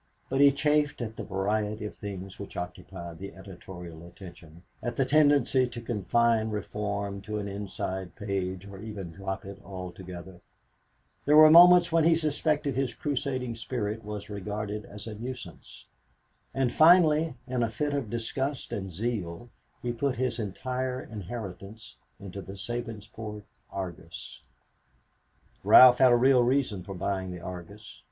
But he chafed at the variety of things which occupied the editorial attention, at the tendency to confine reform to an inside page or even drop it altogether. There were moments when he suspected his crusading spirit was regarded as a nuisance. And finally in a fit of disgust and zeal he put his entire inheritance into the Sabinsport Argus. Ralph had a real reason in buying the Argus.